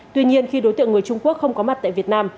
tuy nhiên khi đối tượng người trung quốc không có mặt tại việt nam